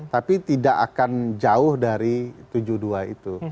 tapi tidak akan jauh dari tujuh puluh dua itu